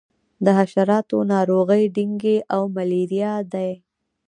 د حشراتو ناروغۍ ډینګي او ملیریا دي.